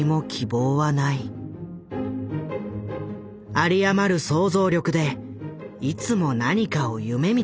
有り余る想像力でいつも何かを夢みている。